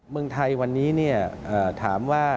เมืองไทยวันนี้ถามว่า